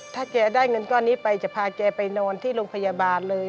ถ้าแกได้เงินก้อนนี้ไปจะพาแกไปนอนที่โรงพยาบาลเลย